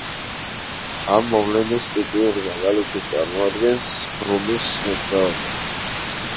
ამ მოვლენის ტიპიურ მაგალითს წარმოადგენს ბროუნის მოძრაობა.